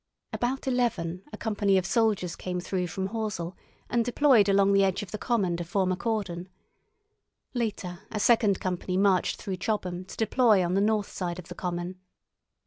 About eleven a company of soldiers came through Horsell, and deployed along the edge of the common to form a cordon. Later a second company marched through Chobham to deploy on the north side of the common.